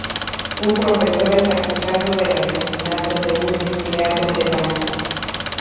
Un profesor es acusado del asesinato de un empleado de banca.